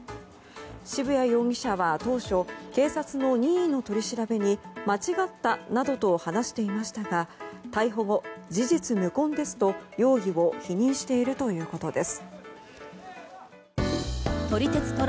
渋谷容疑者は当初警察の任意の取り調べに間違ったなどと話していましたが逮捕後、事実無根ですと容疑を否認しているということです。